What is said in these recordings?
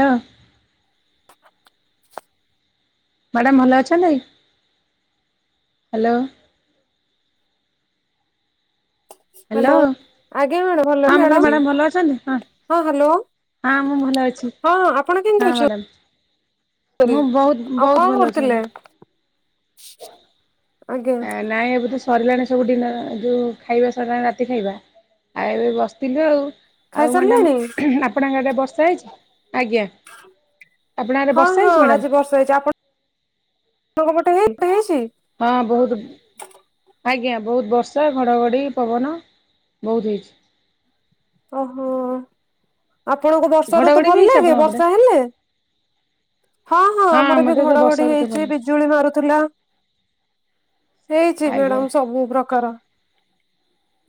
ନା [unintelligible] ମ୍ୟାଡ଼ାମ ଭଲ ଅଛନ୍ତି? ହ୍ୟାଲୋ। ହ୍ୟାଲୋ ଆଜ୍ଞା ମ୍ୟାଡାମ ଭଲ ହଁ ମୁଁ କହିଲି ମ୍ୟାଡାମ ମ୍ୟାଡ଼ାମ ଭଲ ଅଛନ୍ତି ହଁ ହଁ ମୁଁ ଭଲ ଅଛି ଆପଣ କେମିତି ହଁ ମ୍ୟାଡ଼ାମ। ଅଛନ୍ତି? ମୁଁ ବହୁ ଆଉ କଣ ବହୁତ ଭଲ ଅଛି କରୁଥିଲେ ମ୍ୟାଡ଼ାମ। ଆଜ୍ଞା ଆ ନାଇଁ ଏବେ ତ ଶୁ ସରିଲାଣି ସବୁ ଡିନର ଯୋଉ ଖାଇବା ସରିଲାଣି ରାତି ଖାଇବା ଆଉ ଏବେ ବସିଥିଲୁ ଆଉ। ଆଉ ମାଡାମ୍ ଖାଇସାରିଲେଣି ଆପଣଙ୍କ ଆଡେ ବର୍ଷା ହେଇଛି ଆଜ୍ଞା। ଆପଣଙ୍କ ଆଡ଼େ ହଁ ବର୍ଷା ହଁ ହେଇଛି ମ୍ୟାଡ଼ାମ ଆଜି ବର୍ଷା ହେଇଛି ଆପଣ ଅନାଙ୍କ ପଟେ ହେଇଛି ହେଇଛି? ହଁ ବହୁତ ଆଜ୍ଞା ବହୁତ ବର୍ଷା ଘଡ଼ଘଡ଼ି ପବନ ବହୁତ ହେଇଛି। ଓ ହୋ ଆପଣଙ୍କୁ ବର୍ଷା ଋତୁ ଘଡ଼ଘଡ଼ି ବି ଭଲ ହେଇଛି ଲାଗେ ଆପଣଙ୍କ ପଟେ ବର୍ଷା ହେଲେ। ହଁ ହଁ ଆମର ବି ମୋତେ ତ ବର୍ଷା ଘଡଘଡି ଋତୁ ହେଇଛି ଭଲ ବି ବିଜୁଳି ମାରୁଥିଲା ହେଇଛି ଆଜ୍ଞା ମ୍ୟାଡାମ ସବୁ ପ୍ରକାର।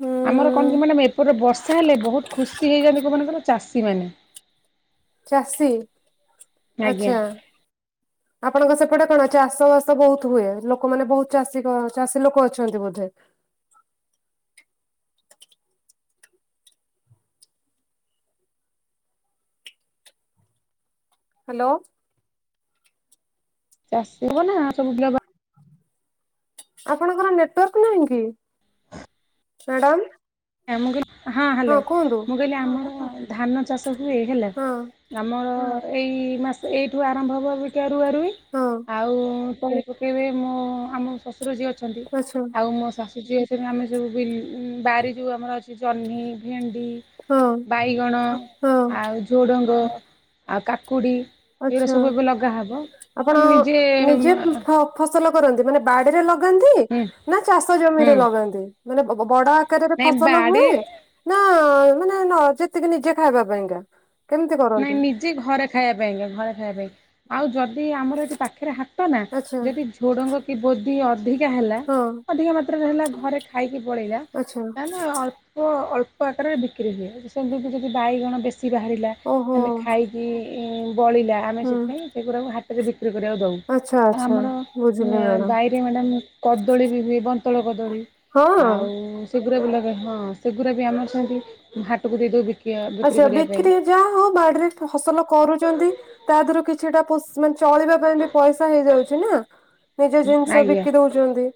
ହୁଁ ଆମର କଣ ମାନେ ଏପଟରେ ବର୍ଷା ହେଲେ ବହୁତ ଖୁସି ହେଇଯାଛନ୍ତି କଉମାନେ କହିଲ ଚାଷୀମାନେ। ଚାଷୀ ଆଛା ହ ଆପଣଙ୍କ ସେପଟେ କଣ ଚାଷ ବାସ ବହୁତ ହୁଏ ଲୋକମାନେ ବହୁତ ଚାଷୀ ଚାଷୀ ଲୋକ ଅଛନ୍ତି ବୋଧେ? ହ୍ୟାଲୋ। ଚାଷୀ ହବ ନା ସବୁ ବିଲ ବା ଆପଣଙ୍କର ନେଟୱାର୍କ ନାହିଁ କି? ହ ମ୍ୟାଡ଼ାମ ମୁଁ କହିଲି ହଁ ହ୍ୟାଲୋ ମୁଁ କହିଲି ଆମର ଧାନ ଚାଷ ତ ହୁଏ ହେଲା ହଁ ଆମର ଏଇ ମାସ ଏଇଠୁ ଆରମ୍ଭ ହେବ ରୁଆ ରୁଇ ହଁ ଆଉ ତଳି ପକେଇ ମୁଁ ଆମ ଶ ଶଶୁର ଯିଏ ଅଛନ୍ତି ଆଚ୍ଛା ଆଉ ମୋ ଶାଶୁ ଯିଏ ଆମେ ସବୁ ବି ବାରି ତମର ଅଛି ଝନି ଭେର୍ଣ୍ଡି ହଁ ବାଇଗଣ ହଁ ଆଉ ଝୁଡ଼ଙ୍ଗ ଆଉ କାକୁଡ଼ି ଏଇରା ଆଚ୍ଛା ସବୁ ଏବେ ଲଗା ହବ ଆପଣ ଆମେ ନିଜେ ନିଜେ ଫ ଫସଲ କରନ୍ତି ମାନେ ବାଡିରେ ଲଗ ଲଗାନ୍ତି ନା ଚାଷ ଜମିରେ ହୁଁ ଲଗାନ୍ତି ମାନେ ବ ବ ବଡ ଆକାରରେ ନାଇଁ ଫସଲ ବାଡ଼ି ହୁଏ। ନା ମାନେ ନ ଯେତିକି ନିଜେ ଖାଇବା ପାଇଁକା। କେମିତି ନାଇଁ କରନ୍ତି ନିଜେ ଘରେ ଖାଇବା ପାଇଁକା ଘରେ ଖାଇବା ପାଇଁ ଆଉ ଯଦି ଆମର ଏଠି ପାଖେରେ ହା ତ ନା ଆଚ୍ଛା ଯଦି ଝୋଡ଼ଙ୍ଗ କି ବୋଧି ଅଧିକା ହେଲା ହଁ ଅଧିକା ମା ପ ହେଲା ଘରେ ଖାଇକି ପଳେଇଲା ଆଚ୍ଛା ତାହେନେ ଅଳ୍ ପ ଅଳ୍ପ ଆକାରରେ ବିକ୍ରି ହୁଏ ସେମିତି ଯଦି ବାଇଗଣ ବେଶୀ ବାହାରିଲା ଓହୋ ଆମେ ଖାଇ କି ବଳିଲା ଆମେ ହୁଁ ସେଥିପାଇଁ ସେଗୁଡ଼ାକ ହାଟରେ ବିକ୍ରି କରିବାକୁ ଦେଉ ଆଉ ଆଚ୍ଛା ଆଚ୍ଛା ଆମର ବୁଝିଲି ଅ ମ୍ୟାଡାମ ବାଇରେ ମାନେ କଦଳୀ ବି ହୁଏ ବନ୍ତଳ କଦଳୀ। ହଁ ଆଉ [unintelligible] ସେଗୁରା ବି ଆମର ସେମିତି ହାଟକୁ ଦେଇଦେଉ ବିକି ବିକ୍ରି କରିବା ପାଇଁ। ଯାହା ହଉ ବାଡ଼ି ରେ ଫସଲ କରୁଛନ୍ତି ତା ଦେହରୁ କିଛିଟା ଫସ୍ ମାନେ ଯୋ ଚଳିବା ପାଇଁ ବି ପଇସା ହେଇଯାଉଛି ନା। ନିଜ ଜିନିଷ ଆଜ୍ଞା ବିକି ଦଉଛନ୍ତି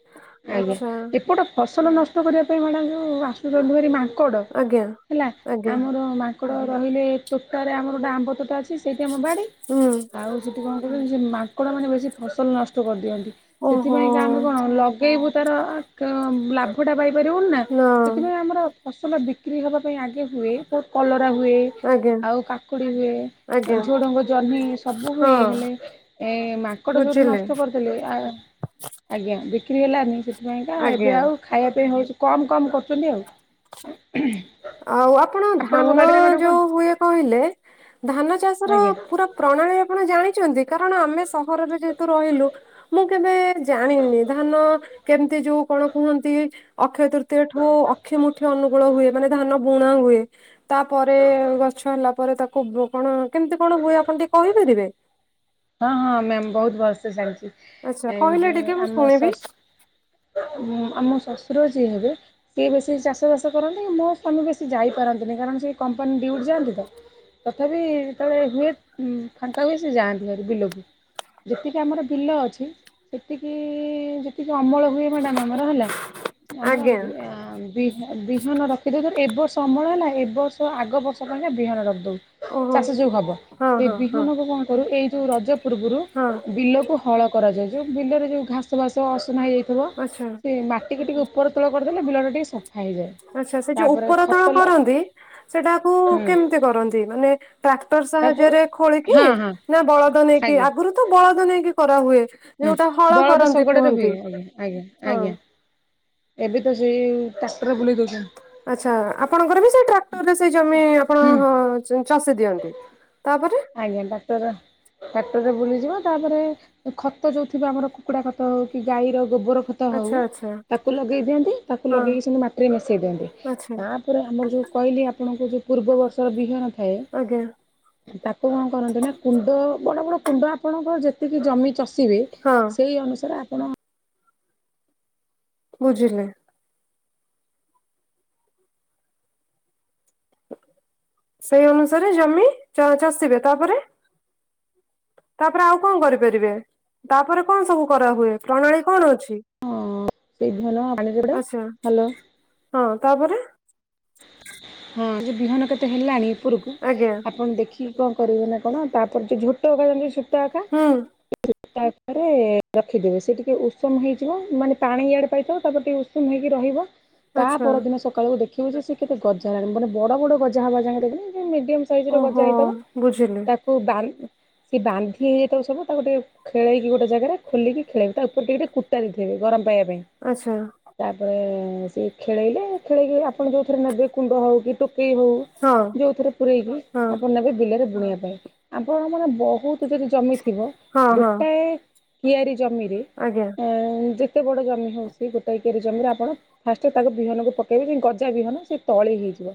ଆଛା। ଗୋଟେ ଫସଲ ନଷ୍ଟ କରିବା ପାଇଁ ମ୍ୟାଡ଼ାମ୍ ଯୋଉ ଆସୁଛନ୍ତୀ ହାରି ମା ଙ୍କଡ଼ ଆଜ୍ଞା। ହେଲା ଆଜ୍ଞା ଆମର ମାଙ୍କଡ଼ ରହିଲେ ତୋଟାରେ ଆମର ଗୋଟେ ଆମ୍ବ ତୋଟା ଅଛି ସେଇଠି ଆମ ବାଡ଼ି ହୁଁ ଆଉ ସେଠି କଣ କରିବ ସେ ମାଙ୍କଡ଼ ମାନେ ବେଶୀ ଫସଲ ନଷ୍ଟ କରିଦିଅନ୍ତି। ଓହୋ ସେଥିପାଇଁକା ଆମେ କଣ ଲଗେଇବୁ ତାର କ ଲା ଭ ଟା ପାଇପାରିବୁନି ନା ସେଥିପାଇଁ ଆମର ଫସଲ ବିକ୍ରି ହେବା ପାଇଁ ଆଗେ ହୁଏ ବ କଲରା ହୁଏ। ଆଜ୍ଞା ଆଉ କାକୁଡ଼ି ହୁଏ। ଆଜ୍ଞା ଝୋଡ଼ଙ୍ଗ ଜହ୍ନି ସବୁ ହୁଏ ହଁ ହେଲେ ଏ ମାଙ୍କଡ଼ ଯୋଉଠୁ ବୁଝିଲେ ନଷ୍ଟ କରି କଲେ ଆ ଆଜ୍ଞା ବିକ୍ରି ହେଲାନି ସେଥିପାଇଁକା ଏବେ ଆଜ୍ଞା। ଆଉ ଖାଇବା ପାଇଁ ହେଉଛି କମ୍ କମ୍ କରୁଛନ୍ତି ଆଉ। ଆଉ ଆପଣ ଆପଣଙ୍କ ଧାନ ବାଡ଼ିରେ ମ୍ୟାଡ଼ାମ୍ ଯୋଉ କଣ ହୁଏ କହିଲେ ଧାନ ଚାଷ ର ଆଜ୍ଞା ପୁରା ପ୍ରଣାଳୀ ଆପଣ ଜାଣିଛନ୍ତି କାରଣ ଆମେ ସହରରେ ଯେହେତୁ ରହିଲୁ ମୁଁ କେବେ ଜାଣିନି ଧାନ କେମିତି ଯୋଉ କଣ କୁହନ୍ତି ଅକ୍ଷୟ ତୃ ତେଠୁ ଅକ୍ଷି ମୁଠି ଅନୁକୂଳ ହୁଏ ମାନେ ଧାନ ବୁଣା ହୁଏ। ତାପରେ ଗଛ ହେଲା ପରେ ତାକୁ ବୁ କଣ କେମିତି କଣ ହୁଏ ଆପଣ ଟିକେ କହିପାରିବେ? ହଁ ହଁ ମ୍ୟାମ୍ ବହୁତ ଭଲସେ ଜାଣିଛି। ଆଚ୍ଛା କହିଲ ଟିକେ ମୁଁ ଶୁଣିବି ହୁଁ ଆମ ଶ୍ୱଶୁର ଯିଏ ହେବେ ସିଏ ବେଶୀ ଚାଷ ବାସ କରନ୍ତି ମୋ ସ୍ୱାମୀ ବେଶୀ ଯାଇପାରନ୍ତିନି କାରଣ ସେ କମ୍ପାନୀ ଡିଉଟ୍ ଯାଆନ୍ତି ତ। ତଥାପି ଯେତେବେଳେ ହୁଏ ଫାଙ୍କା ବି ସେ ଯାଆନ୍ତି। ଘରୁ ବିଲକୁ ଯେତିକି ଆମର ବିଲ ଅଛି ସେତିକି ଯେତିିକି ଅମଳ ହୁଏ ମ୍ୟାଡ଼ାମ୍ ଆମର ହେଲା ଆମର ଆଜ୍ଞା [unintelligible] ବିହ ବିହନ ରଖିଦଉ ଧର ଏ ବର୍ଷ ଅମଳ ହେଲା ଏବ ବର୍ଷ ଆଗ ବର୍ଷ [unintelligible] ବିହନ ରଖିଦଉ। ଓହୋ ଚାଷ ଯୋଉ ହବ ହଁ ସେ ହଁ ହଁ ବିହନକୁ କଣ କରୁ ଏଇ ଯୋଉ ରଜ ପୂର୍ବରୁ ହଁ ବିଲକୁ ହଳ କରାଯାଏ ଯେଉଠି ବିଲରେ ଯଉ ଘାସ ବାସ ଅସନା ହେଇଯାଇଥିବ ଆଚ୍ଛା। ସେ ମାଟିକୁ ଟିକେ ଉପର ତଳ କରିଦେଲେ ବିଲଟା ଟିକେ ସ ଆଚ୍ଛା ସେ ଯୋଉ ଉପର ତଳ କରନ୍ତି ସେଟାକୁ ହୁଁ କେମିତି କରନ୍ତି ମାନେ ଟ୍ରାକ୍ଟର ତାକୁ ସାହାଯ୍ୟରେ ଖୋଳିକି ହଁ ହଁ ନା ବଳଦ ନେଇକି ଆଗୁରୁ ତ ବଳଦ ନେଇକି କରାହୁୁଏ। ହ ବଳଦ ଶଗଡ଼ରେ ହୁଏ ଆଜ୍ଞା ଆଜ୍ଞା ହଁ। ଆଜ୍ଞା। ଏବେ ତ ସେଇ ଟ୍ରାକ୍ଟର ବୁଲେଇ ଦଉଛନ୍ତି। ଆଚ୍ଛା ଆପଣଙ୍କର ବି ସେଇ ଟ୍ରାକ୍ଟର ରେ ସେ ଜମି ଆପଣ ହୁଁ ହ ଚାଷି ଦିଅନ୍ତି ତାପରେ ଆଜ୍ଞା ଡାକ୍ଟର ଟାକ୍ଟରରେ ବୁଲିଯିବା ତାପରେ ଖତ ଯୋଉ ଥିବ ଆମର କୁକୁଡ଼ା ଖତ ହଉ କି ଗାଈର ଗୋବର ଖ ତ ହଉ ଆଚ୍ଛା ଆଚ୍ଛା ତାକୁ ଲଗେଇ ଦିଅନ୍ତୁ ତାକୁ ହଁ ଲଗେଇକି ସେମିତି ମାଟିରେ ମିଶେଇ ଦିଅନ୍ତି। ଆଚ୍ଛା ତାପରେ ଆମର ଯୋଉ କହିଲି ଆପଣଙ୍କ ଯୋଉଁ ପୂର୍ବବର୍ଷର ବିହନ ଥାଏ ଆଜ୍ଞା। ତାକୁ କଣ କରନ୍ତି ନା କୁଣ୍ଡ ବଡ ବଡ କୁଣ୍ଡ ଆପଣଙ୍କର ଯେତିକି ଜମି ଚଷ ସିବେ ହଁ ସେଇ ଅନୁସାରେ ଆପଣ ବୁଝିଲେ? ସେଇ ଅନୁସାରେ ଜମି ଚଷିବେ ତାପରେ ତାପରେ ଆଉ କଣ କରିପାରିବେ ତାପରେ କଣ ସବୁ କରାହୁଏ ପ୍ରଣାଳୀ କଣ ଅଛି? ସେଇ ବିହନ ପାଣିରେ ଗୋଟେ ଆଛା ହ୍ୟାଲୋ ହଁ ତାପରେ ହଁ ସେ ବିହନ କେତେ ହେଲାଣି ଉପରକୁ ଆଜ୍ଞା। ଆପଣ ଦେଖିକି କଣ କରିବେ ନା କଣ ତାପରେ ଯ ଝୋଟ ଅଖା ଯେମିତି ସୂତା ହୁଁ ଅଖା ରେ ରଖିଦେବେ ସେ ଟିକେ ଉସୁମ ହେଇଯିବ ମାନେ ପାଣି ଇଆଡେ ପାଇଥିବ ତାପରେ ଟିକେ ଉସୁମ ହୋଇକି ରହିବ। ତା ଆଚ୍ଛା ପରଦିନ ସକାଳୁ ଦେଖିବୁ ଯେ ସିଏ କେତେ ଗଜା ଲାଗ ମାନେ ବଡ ବଡ ଗଜା ହବା ଯାଏ ଦେଖେ ଯେମିତି ସାଇଜର ଓହୋ ଗଜା ହେଇଥିବ ବୁଝିଲି ତାକୁ ସବୁ ବା ବାନ୍ଧି ହେଇଥିବ ସବୁ ତାକୁ ଗୋଟି ଖେଳଇକି ଗୋଟେ ଜାଗାରେ ଖୋଲିକି ଖେଳେଇବେ ତା ଉପରେ ଟିକେ ଟିକେ କୁଟା ଦେଇଦେବେ ଗରମ ପାଇବା ପାଇଁ। ଆଛା। ତାପରେ ସିଏ ଖେଳେଇଲେ ଖେଳେଇକି ଆପଣ ଯୋଉ ନେବେ କୁଣ୍ଡ ହଉ କି ଟୋକେଇ ହଉ ହଁ ଯୋଉ ଥରେ ପୂରେଇକି ହଁ ଆପଣ ନେବେ ବିଲରେ ବୁଣିବା ପାଇଁ। ଆପଣ ମାନେ ବହୁତ ଯଦି ଜମି ଥିବ ହଁ ହଁ ଗୋଟାଏ କିଆରି ଜମିରେ ଆଜ୍ଞା। ଯେତେ ବଡ ଜମି ହଉଛି ଗୋଟା କିଆରି ଜମିରେ ଆପଣ ଫାଷ୍ଟ ତାକୁ ବିହନକୁ ପକେଇବେ ଯେମିତି ଗଜା। ବିହନ ସେ ତଳି ହେଇଯିବ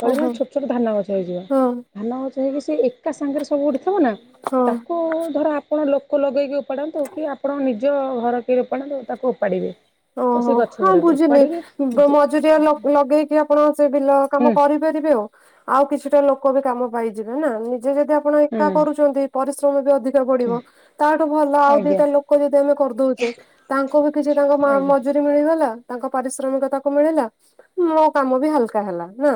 ତଳି ମାନେ ଓହୋ ଛୋଟ ଛୋଟ ଧାନ ଗଛ ହେଇଯିବ। ହଁ ଧାନ ଗଛ ହେଇକି ସେ ଏକା ସାଙ୍ଗରେ ସବୁ ଉଠି ଥିବ ନା ହଁ ତାକୁ ଧର ଆପଣ ଲୋକ ଲଗେଇକି ଓପାଡନ୍ତୁ କି ଆପଣ ନିଜ ଘର କିଏ ଓପାଡନ୍ତୁ ତାକୁ ଓପାଡ଼ିବେ? ଓହୋ ହଁ ବୁଝିଲି ଯେ ମଜୁରିଆ ଲଗେଇକିଆ ଆପଣଙ୍କ ସେ ବିଲ ହୁଁ କାମ କରିପାରିବେ ଓ ଆଉ ଆଉ କିଛିଟା ଲୋକ ବି କାମ ପାଇଯିବେ ନା ନିଜେ ଯଦି ଆପଣ ଆପଣ ହୁଁ ଏକା କରୁଛନ୍ତି ପରିଶ୍ରମ ବି ଅଧିକ ହୁଁ ପଡ଼ିବ। ତାଠୁ ଭଲ ଆଉ ଆଜ୍ଞା ଦିଟା ଲୋକ ଯଦି ଆମେ କରିଦଉଛେ ତାଙ୍କୁ ବି କିଛି ତାଙ୍କ ଆଜ୍ଞା ଯଦି ମିଳିଗଲା ତାଙ୍କ ପାରିଶ୍ରମିକ ତାକୁ ମିଳିଲା। ମୋ କାମ ବି ହାଲକା ହେଲା ନା।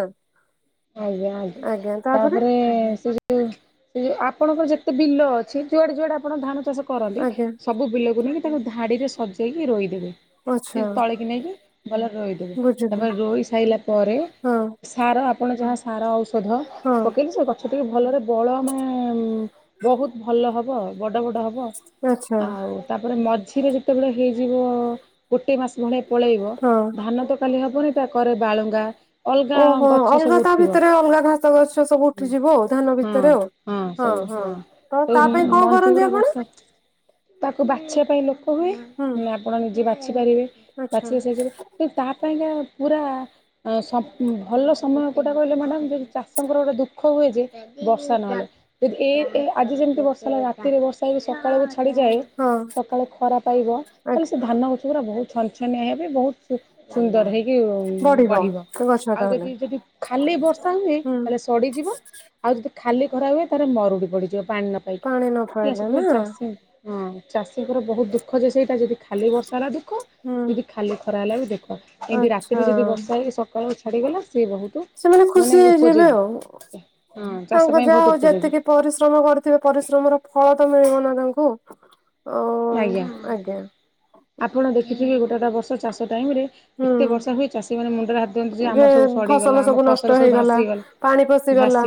ଆଜ୍ଞା ଆଜ୍ଞା ତାପରେ ସେ ଯୋଉ ଆପଣଙ୍କର ଯେତେ ବିଲ ଅଛି ଯୁଆଡେ ଯୁଆଡେ ଆପଣ ଧାନ ଚାଷ କରନ୍ତି ଆଜ୍ଞା ସବୁ ବିଲକୁ ନେଇକି ତାକୁ ଧାଡିରେ ସଜେଇକି ରୋଇବେ ଆଚ୍ଛା ସେ ତଳିକି ନେଇକି ପ ଭଲ ରୋଇଦେବେ ବୁଝିଲି ତାପରେ ରୋଇ ସାରିଲା ପରେ ହଁ ସାର ଆପଣ ଯାହା ସାର ଔଷ ଧ ହଁ ପକେଇ ସ ସେ ଟିକେ ଭଲରେ ବଳ ମାନେ ବହୁତ ଭଲ ହବ ବଡ ବଡ ହବ ଆଉ। ଆଚ୍ଛା ଆଉ ତାପରେ ମଝିରେ ଯେତେବେଳେ ହେଇଯିବ ଗୋଟେ ମାସ ଭଳିଆ ପଳେଇବ ହଁ ଧାନ ତ ଖାଲି ହବନି ତା କରେ ବାଳୁଙ୍ଗା ଅଲଗା ଓହୋ ଗଛ ଅଲଗା ସବୁ ତା ଉଠିବ। ଭିତରେ ଅଲଗା ଘାସ ଗଛ ସବୁ ଉଠିଯିବ ଆଉ ଧାନ ହଁ ଭିତରେ ଆଉ ହଁ ହଁ। ତ ସବୁ ତା ପାଇଁ କଣ ମଞ୍ଜି କରନ୍ତି ଗୁରା ଆପଣ? ବର୍ଷା ତାକୁ ବାଛିବା ପାଇଁ ଲୋକ ହୁଏ ହୁଁ ନହେଲେ ଆପଣ ନିଜେ ବାଛି ପାରିବେ ଆଚ୍ଛା। ବାଛିିଲେ ସେ କି ତା ପାଇଁକା ପୁରା ସ ଭଲ ସମୟ କୋଉଟା କହିଲେ ମ୍ୟାଡ଼ାମ ଚାଷଙ୍କର ଗୋଟେ ଦୁଃଖ ହୁଏ ଯେ ବର୍ଷା ନହେଲେ। ଯଦି ଏଇ ଏଇ ଆଜି ଯେମିତି ବର୍ଷା ହେଲା ରାତିରେ ବର୍ଷା ହେଇକି ସକାଳକୁ ଛାଡିଯାଏ। ହଁ ସକାଳେ ଖରା ପାଇବ ତାହେଲେ ଆଜ୍ଞା ସେ ଧାନ ଗଛ ଗୁରା ବହୁତ ଛନଛନିଆ ହେବେ ବହୁତ ସୁନ୍ଦର ହେଇକି ବଢିବ ଗଛ ଆଉ ତାହେଲେ ଯଦି ଯଦି ଖାଲି ବର୍ଷା ହୁଏ ହୁଁ ତାହେଲେ ସଡିଯିବ ଆଉ ଯଦି ଖାଲି ଖରା ହୁଏ ତାହେଲେ ମରୁଡି ପଡିଯିବ ପାଣି ନ ପାଇ ପାଣି ନ ପାଇଲେ ନା। ସେଥିପାଇଁ ଚାଷୀ ହଁ ଚାଷୀଙ୍କର ବହୁତ ଦୁଃଖ ଯେ ସେଇଟା ଯଦି ଖାଲି ବର୍ଷା ହେଲା ଦୁଃଖ ହୁଁ ଦେଖ ଖାଲି ଖରା ହେଲା ବି ଦୁଃଖ ଏମିତି ଆଚ୍ଛା ରାତିରେ ଯି ବର୍ଷା ହେଇ ସକାଳୁ ଛାଡ଼ିଗଲା ସିଏ ବହୁତ ସେମାନେ ମାନେ ଖୁସି ହେଇଯିବେ ଉପଯୋଗୀ ଆଉ ହଁ ଚାଷ ତାଙ୍କ ପାଇଁ ଯାହା ବହୁତ ହଉ ଉପଯୋଗୀ ଯେତିକି ପରିଶ୍ରମ କରିଥିବେ ପରିଶ୍ରମର ଫଳ ତ ମିଳିବ ନା ତାଙ୍କୁ? ଓ ଆଜ୍ଞା ଆଜ୍ଞା। ଆପଣ ଦେଖିଥିବେ ଗୋଟେ ଗୋଟା ବର୍ଷ ଚାଷ ଟାଇମରେ ଏତେ ବର୍ଷା ହୁଁ ହୁଏ ଚାଷୀ ମାନେ ମୁଣ୍ଡରେ ହାତ ଦିଅନ୍ତି ଯେ ଆମର ସବୁ ସଡିଗଲା ଫସଲ ଆମ ସବୁ ନଷ୍ଟ ଫସଲ ସବୁ ହେଇଗଲା ଭାସିଗଲା। ପାଣି ପଶିଗଲା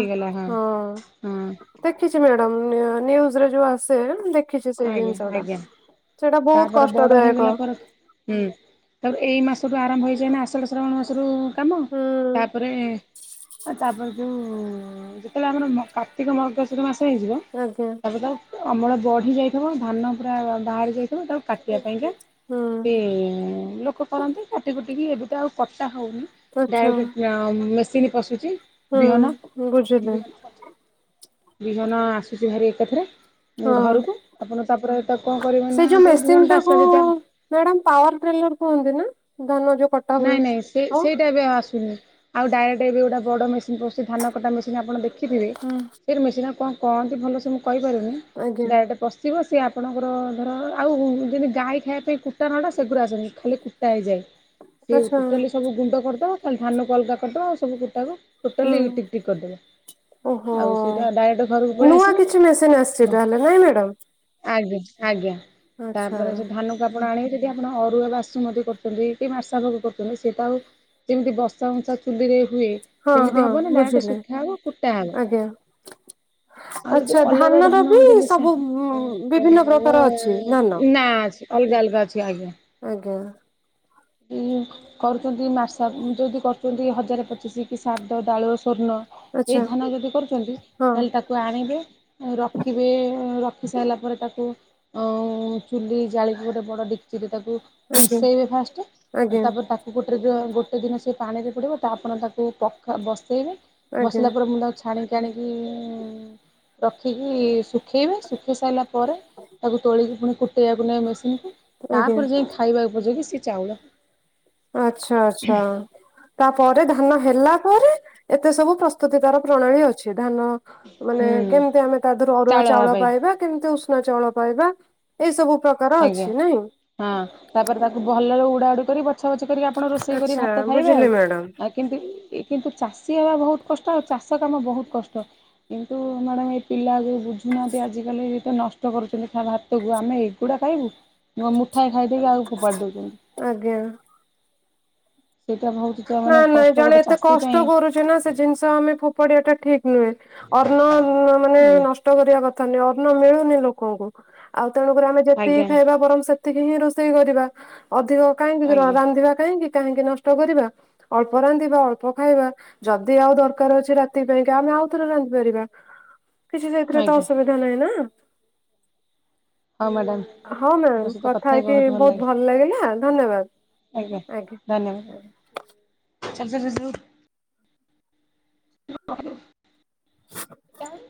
ହଁ। ହଁ ଦେଖିଛି ମ୍ୟାଡାମ ନିୟୁଜରେ ଯୋଉ ଆସେ ଦେ ଦେଖିଛି ସେଇ ଆଜ୍ଞା ଜିନିଷଟା ଆଜ୍ଞା ସେଇଟା ବହୁତ ତାପରେ ବଡ଼ ହେଇଗଲା କଷ୍ଟଦାୟକ। ପରେ ହୁଁ ତା ପରେ ଏଇ ମାସ ତୁ ଆରମ୍ଭ ହେଇଯାଏ ନା ଆଷାଢ଼ ଭାଦ୍ରବ ମାସରୁ କାମ ହୁଁ ତାପରେ ତାପରେ ଯୋଉ ଯେତେହେଲେ ଆମର କାର୍ତ୍ତିକ ମାର୍ଗଶିର ମାସ ହେଇଯିବ ଆଜ୍ଞା। ତାପରେ ତା ଅମଳ ବଢ଼ି ଯାଇଥିବ ଧାନ ପୁରା ବାହାରି ଯାଇଥିବ ତାକୁ କାଟିବା ପାଇଁକା ସେ ହୁଁ ଲୋକ କରନ୍ତି କାଟି କୁଟିକି ଏବେ ତ ଆଉ କଟା ହଉନି। ଆଚ୍ଛା। ଡାଇରେକ୍ଟ ମେସିନ୍ ପଶୁଛି ବିହନ ହୁଁ ବୁଝିଲି ବିହନ ଆସୁଛି ଭାରି ଏକାଥରେ ହଁ ଘରକୁ। ଆପଣ ତାପରେ ତାକୁ କଣ କରିବେ ନା ଯୋଉ ବିହନ ଟା ଆସିଲା ଯେଦି ମ୍ୟାଡାାମ ପାୱାର ଟ୍ରେଲର କୁହନ୍ତି ନା ଧାନ ଯୋଉ କଟ ନାଇଁ ନାଇଁ ସେ ସେଇଟା ଏବେ ଆଉ ଆସୁନି। ଆଉ ଡାଇରେକ୍ଟ ଏବେ ଗୋଟେ ବଡ଼ ମେସିନ୍ ପଉଛି ଧାନ କଟା ମେସିନ୍ ଆପଣ ଦେଖିଥିବେ ହୁଁ ସେ ମେସିନ୍ କଣ କଣ ଯେ ଭଲ ସେ ମୁଁ କହିପାରୁନି ଆଜ୍ଞା ଡାଇରେକ୍ଟ ଯିବ ସିଏ ଆପଣଙ୍କର ଧର ଆଉ ଯେମିତି ଗାଈ ଖାଇବା ପାଇଁ କୁଟା ନଡ଼ା ସେଗୁରା ଆସୁନି ଖାଲି କୁଟା ହେଇଯାଏ। ସେ ଆଚ୍ଛା ଟୋଟାଲି ସବୁ ଗୁଣ୍ଡ କରିଦବ ଖାଲି ଧାନକୁ ଅଲଗା କରିଦବ ଆଉ ସବୁ କୁଟାକୁ। ହୁଁ ଟୋଟାଲି ଟିକ ଟିକ କରିଦବ। ଓହୋ ପଳେଇ ନୂଆ କିଛି ଆସିବ ମେସିନ ଆସିଛି ତାହଲେ ନାଇଁ ମ୍ୟାଡ଼ାମ। ଆଜ୍ଞା ଆଜ୍ଞା ତାପରେ ଆଚ୍ଛା। ସେ ଧାନକୁ ଆପଣ ଆଣିକି ଯେଦି ଆପଣ ଅରୁଆ ବାସୁମତି କରୁଛନ୍ତି କି ମାସ ତାଗଗ କରୁଚନ୍ତି ସେଇତ ଆଉ ଯେମିତି ବସା ଉଞ୍ଚା ଚୁଲିରେ ହୁଏ ହଁ ହଁ ସେମିତି ହବ ନେଇଁ ଡାଇରେକ୍ଟ ବୁଝିଲେ ଶୁଖା ହବ କୁଟା ହବ। ଆଜ୍ଞା। ଆଉ ଯଦି ଆଚ୍ଛା ଅଲଗା ଧାନର ଧାନ ବି ଜେମିତି ସା ସବୁ ନହି ବିଭିନ୍ନ ପ୍ରକାର ଅଛି ଧାନ। ନା ସେ ଅଲଗା ଅଲଗା ଅଛି ଆଜ୍ଞା। ଆଜ୍ଞା। ଉଁ-ଉଁ-କରୁଚନ୍ତି ମାର୍ସାବ୍ ଯେଦି କରୁଚନ୍ତି ହଜାରେ ପଚିଶି କି ସାର୍ଦ ଦାଳୁଆ ସ୍ୱର୍ଣ୍ଣ ଆଚ୍ଛା ଏଇ ଧାନ ଯେଦି କରୁଚନ୍ତି ହଁ ତାହେଲେ ତାକ୍ ତାକୁ ଆଣିବେ ରଖିବେ ଏଁ ରଖି ସାଇଲା ପରେ ତାକୁ ଆଉଁ-ଉଁ-ଚୁଲି ଜାଳିକି ଗୋଟେ ବଡ ଡେକ୍ଚିରେ ତାକୁ ଆଜ୍ଞା ଉଁସେଇବେ ଫାଷ୍ଟେ ଆଜ୍ଞା ତାପରେ ତାକୁ ଗୋଟେରେ ଯେ ଗୋଟେ ଦିନ ସେ ପାଣିରେ ପଡ଼ିବ ତା ଆପଣ ତାକୁ ପ ଖା ବସେଇବେ ଆଜ୍ଞା ବସିଲା ପରେ ମୁଁ ତାକୁ ଛା ଛାଣିକି ଆଣିକି ଇ ରଖିକି ସୁ ଶୁଖେଇବେ ଶୁଖେଇ ସାଇଲା ପରେ, ତାକୁ ତୋଳିକି ପୁଣି କୁଟେଆକୁ ନେବେ ମେସିନ୍ ରେ, ଆଜ୍ଞା। ତାପରେ ଯାଇଁକି ଖା ଖାଇବା ଉପଯୋଗୀ ସେ ଚାଉଳ। ଆଚ୍ଛା ଆଚ୍ଛା। ତାପରେ ଧାନ ହେଲା ପରେ ଏତେ ସବୁ ପ୍ରସ୍ତୁତି ତାର ପ୍ରଣାଳୀ ଅଛି ଧାନ ମାନେ ହୁଁ କେମିତି ଆମେ ତା ଦେହରୁ ଅରୁଆ ହବା ଚାଉଳ ପାଇଁ ପାଇବା। କେମ୍ତି ଉଷୁନା ଚାଉଳ ପାଇବା ଏଇ ସବୁ ପ୍ରକାର ଆଜ୍ଞା। ଅଛି ନାଇଁ! ହଁ ତାପରେ ତାକୁ ଭଲରେ ଉଡ଼ା ଉଡି କରି ବଛା ବଛି କରିକି ଆପଣ ରୋଷେଇ କରିକି ଆଚ୍ଛା ଭାତ ଖାଇବେ ଆଉ ବୁଝିଲି ମ୍ୟାଡାମ ଆଗ୍ କିନ୍ତୁ ଇ କିନ୍ତୁ ଚାଷୀ ହେବା ବୋହୁତ୍ କଷ୍ଟ ଆଉ ଚାଷ କାମ ବୋହୁତ୍ କଷ୍ଟ। କିନ୍ତୁ ମ୍ୟାଡାମ୍ ଏଇ ପିଲା ଯୋଉ ବୁଝୁନାହାଁନ୍ତି ଆଜିକାଲି ତ ନଷ୍ଟ କରୁଛନ୍ତି ଖା ଭାତକୁ ଆମେ ଏ ଗୁଡ଼ା ଖାଇବୁ ଗ ମୁଠାଏ ଖାଇ ଦେଇକି ଆଉ ଫୋପାଡ଼ି ଦୋଉଛନ୍ତି। ଆଜ୍ଞା। ସେଇଟା ଭୋଉତ୍ ନାଁ ନାଇଁ ଜଣେ ଏତେ କଷ୍ଟ କରୁଛି ନା ସେ ଜିନ୍ଷ ଆମେ ଫୋ ପାଡି ବାଟା ଠିକ୍ ନୁହେଁ ଅର୍ନ ର୍ଣ୍ଣ ମାନେ ହୁଁ ନସ୍ ନଷ୍ଟ କରିବା କଥା ନୁହେଁ ଅନ୍ନ ମିଳୁନି ଲୋକଙ୍କୁ ଆଉ ତେଣୁକରି ଆମେ ଆଜ୍ଞା ଯେତିକି ଖାଇବା ବରଂ ସେତ୍ ତିକିହିଁ ରୋଷେଇ କରିବା ଅଧିକ କାହିଁକି ଉ ଆଜ୍ଞା ରାନ୍ଧିବା କାହିଁକି କାହିଁକି ନଷ୍ଟ କରିବା। ଅଳ୍ପ ରାନ୍ଧିବା ଅଳ୍ପ ଖାଇବା। ଯଦି ଆଉ ଦର୍କାର ଅଛି ରାତି ପାଇଁକା ଆମେ ଆଉ ଥରେ ରାନ୍ଧିପାରିବା। କିଛି ସେଇଥିରେ ତ ଆଜ୍ଞା ଅସୁବିଧା ନାହିଁ ନା! ହଉ ମ୍ୟାଡ଼ାମ। ହଁ ମୋ ମ୍ୟାମ୍ ସହିତ କଥା ହେଇ ହେଇକି ବହୁତ ଭଲ ବୋହୁତ୍ ଲାଗେ ଭଲ୍ ଲାଗିଲା ଧନ୍ୟବାଦ। ଆଜ୍ଞା ଧନ୍ୟବାଦ। [inaudible] [inaudible] [inaudible]